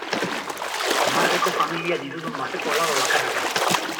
Marteko familia dirudun bateko alaba bakarra da.